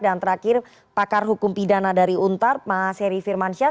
dan terakhir pakar hukum pidana dari untar mas heri firmansyah